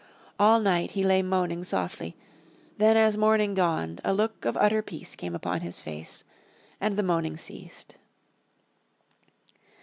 All night he lay moaning softly, then as morning dawned a look of utter peace came upon his face and the moaning ceased.